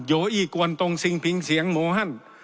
โยอี้กวนตรงซิงพิงเสียงโมฮัน